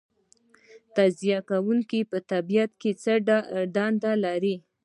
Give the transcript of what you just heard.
تجزیه کوونکي په طبیعت کې څه دنده لري